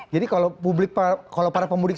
jadi kalau publik kalau para pemudik